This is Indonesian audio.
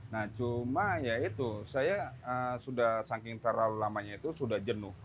nah cuma ya itu saya sudah saking terlalu lamanya itu sudah jenuh